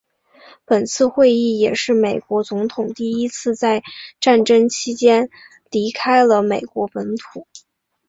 本次会议也是美国总统第一次在战争期间离开了美国本土。